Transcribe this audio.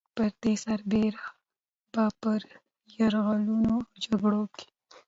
پر دې سربېره به په يرغلونو او جګړو کې